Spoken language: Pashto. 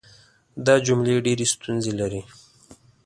دا جملې ډېرې ستونزې لري.